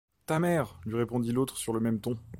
Ta mère ! lui répondit l’autre sur le même ton.